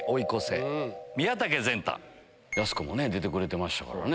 やす子も出てくれてましたからね。